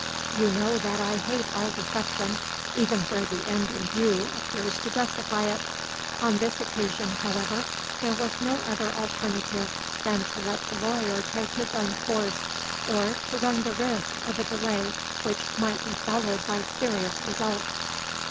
You know that I hate all deception, even where the end in view appears to justify it. On this occasion, however, there was no other alternative than to let the lawyer take his own course, or to run the risk of a delay which might be followed by serious results.